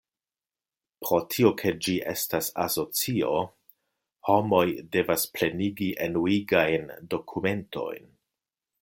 Pro tio ke ĝi estas asocio, homoj devas plenigi enuigajn dokumentojn.